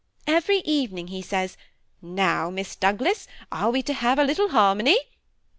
Every evening he says, ' Now, Miss Douglas, are we to have a little harmony